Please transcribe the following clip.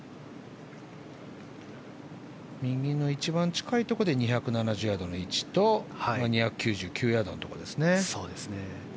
右の一番近いところで２７０ヤードの位置と２９９ヤードのところですね。